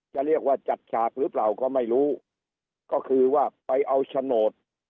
จะเรียกว่าจัดฉากหรือเปล่าก็ไม่รู้ก็คือว่าไปเอาโฉนด